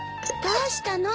どうしたの？